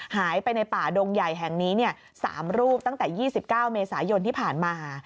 หายไปในป่าดงใหญ่แห่งนี้๓รูปตั้งแต่๒๙เมษายนที่ผ่านมา